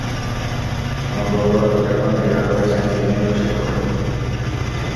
অনুগ্রহ করে, অপেক্ষা করুন দেখা করে যান, তিনিও খুসি হবেন।